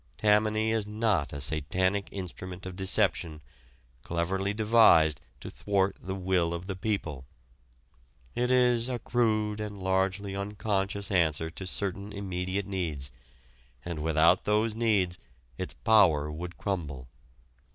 Tammany is not a satanic instrument of deception, cleverly devised to thwart "the will of the people." It is a crude and largely unconscious answer to certain immediate needs, and without those needs its power would crumble.